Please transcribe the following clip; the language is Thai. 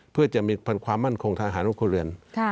เพื่อจะมีความมั่นคงทางอาหารลูกคนเรือน